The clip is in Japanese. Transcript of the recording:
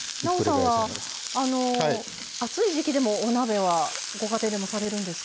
なおさんは暑い時季でもお鍋はご家庭でもされるんですか？